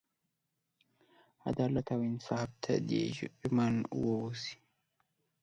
عدالت او انصاف ته دې ژمن ووسي.